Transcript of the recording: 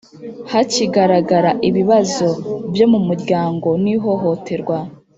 hakigaragara ibibazo byo mu muryango n’ ihohoterwa